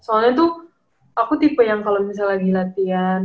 soalnya tuh aku tipe yang kalau misalnya lagi latihan